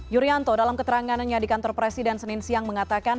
yuryanto dalam keteranganannya di kantor presiden senin siang mengatakan